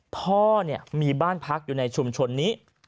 พ่อมีบ้านพักอยู่ในชุมชนนี้